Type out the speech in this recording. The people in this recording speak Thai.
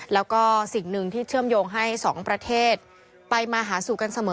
แล้วก็สิ่งหนึ่งที่เชื่อมโยงให้สองประเทศไปมาหาสู่กันเสมอ